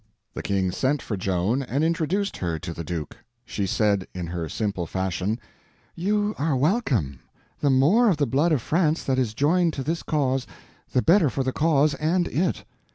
The King sent for Joan and introduced her to the Duke. She said, in her simple fashion: "You are welcome; the more of the blood of France that is joined to this cause, the better for the cause and it."